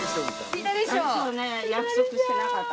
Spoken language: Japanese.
ピタリ賞ね約束してなかった。